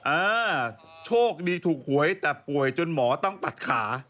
อ่าโชคดีถูกหวยแต่ป่วยจนหมอต้องตัดขา